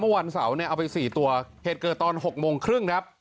มันวันเสาร์เนี้ยเอาไปสี่ตัวเหตุเกิดตอนหกโมงครึ่งนะครับ